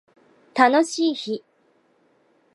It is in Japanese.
楽しい日